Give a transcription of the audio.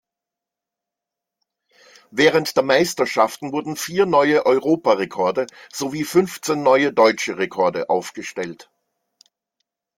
Während der Meisterschaften wurden vier neue Europarekorde sowie fünfzehn neue deutsche Rekorde aufgestellt.